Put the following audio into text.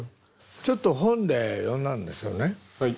ちょっと本で読んだんですけどね